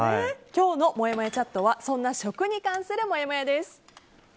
今日のもやもやチャットはそんな食に関するもやもやです。